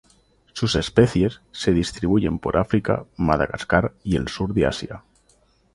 Sus especies se distribuyen por África, Madagascar y el sur de Asia.